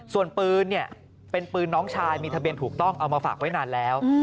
ส่วนปืนเนี่ยเป็นปืนน้องชายมีทะเบียนถูกต้องเอามาฝากไว้นานแล้ว